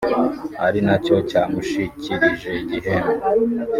ari nacyo cyamushyikirije igihembo